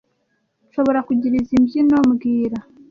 Nshobora kugira izoi mbyino mbwira